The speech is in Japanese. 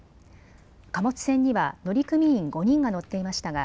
貨物船には乗組員５人が乗っていましたが